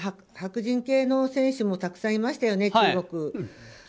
白人系の選手もたくさんいましたよね、中国。